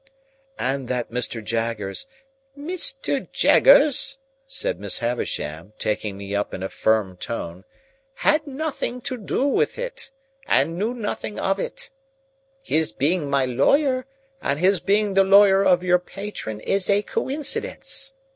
"And that Mr. Jaggers—" "Mr. Jaggers," said Miss Havisham, taking me up in a firm tone, "had nothing to do with it, and knew nothing of it. His being my lawyer, and his being the lawyer of your patron is a coincidence.